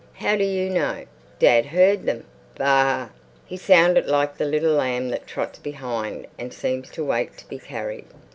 "How do you know?" "Dad heard them. Baa!" He sounded like the little lamb that trots behind and seems to wait to be carried.